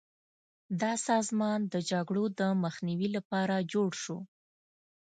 دا سازمان د جګړو د مخنیوي لپاره جوړ شو.